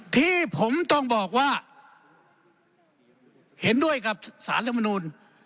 ที่ผมต้องบอกว่าเห็นด้วยกับสารรัฐมนูล